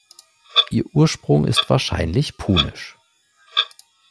Ihr Ursprung ist wahrscheinlich punisch.